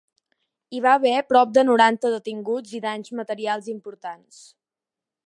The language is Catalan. Hi va haver prop de noranta detinguts i danys materials importants.